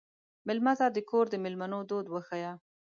مېلمه ته د کور د مېلمنو دود وښیه.